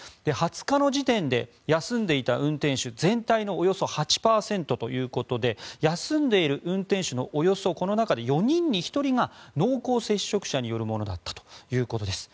２０日の時点で休んでいた運転手全体のおよそ８％ということで休んでいる運転手のおよそこの中で４人に１人が濃厚接触者によるものだったということです。